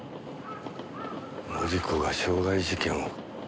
紀子が傷害事件を。